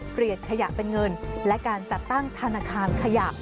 ขยะเป็นเงินและการจัดตั้งธนาคารขยะ